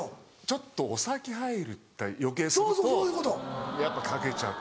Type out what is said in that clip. ちょっとお酒入ったり余計するとやっぱかけちゃって。